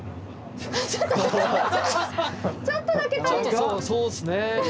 ちょっとそうですね。